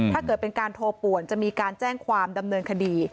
ถ้าเกิดเป็นการโทรป่วนจะมีการแจ้งความดำเนินคดี